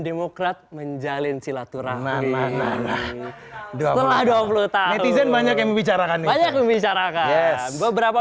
demokrat menjalin silaturahmi mana mana dua puluh tahun banyak membicarakan banyak membicarakan beberapa